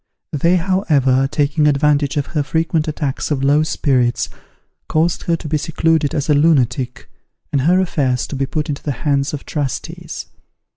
They, however, taking advantage of her frequent attacks of low spirits, caused her to be secluded as a lunatic, and her affairs to be put into the hands of trustees.